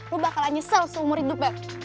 lo bakalan nyesel seumur hidup bel